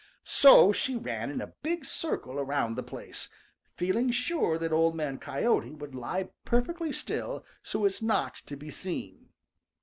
So she ran in a big circle around the place, feeling sure that Old Man Coyote would lie perfectly still so as not to be seen.